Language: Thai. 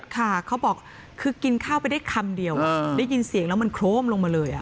เขาบอกคือกินข้าวไปได้คำเดียวได้ยินเสียงแล้วมันโครมลงมาเลย